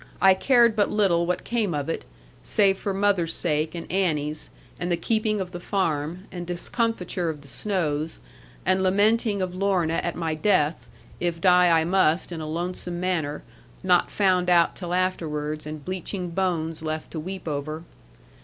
I cared but little what came of it; save for mother's sake, and Annie's, and the keeping of the farm, and discomfiture of the Snowes, and lamenting of Lorna at my death, if die I must in a lonesome manner, not found out till afterwards, and bleaching bones left to weep over.